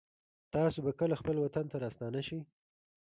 تاسو به کله خپل وطن ته راستانه شئ